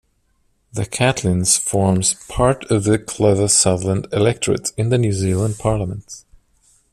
The Catlins forms part of the Clutha-Southland electorate in the New Zealand Parliament.